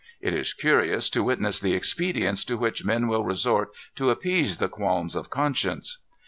It is curious to witness the expedients to which men will resort to appease the qualms of conscience.